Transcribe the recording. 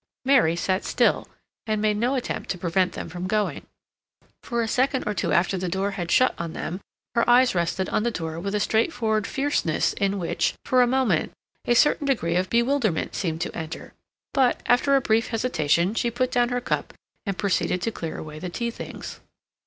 Mary sat still and made no attempt to prevent them from going. For a second or two after the door had shut on them her eyes rested on the door with a straightforward fierceness in which, for a moment, a certain degree of bewilderment seemed to enter; but, after a brief hesitation, she put down her cup and proceeded to clear away the tea things.